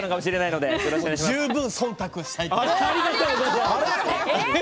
十分そんたくしたいと思います。